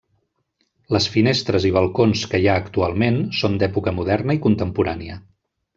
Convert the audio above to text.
Les finestres i balcons que hi ha actualment són d'època moderna i contemporània.